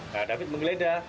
nah david menggeledah